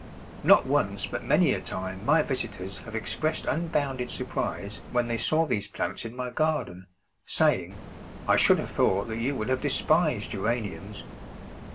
Not once but many a time my visitors have expressed unbounded surprise when they saw these plants in my garden, saying, "I should have thought that you would have despised Geraniums."